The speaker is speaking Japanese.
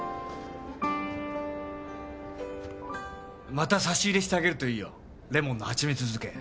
また差し入れしてあげるといいよレモンの蜂蜜漬け。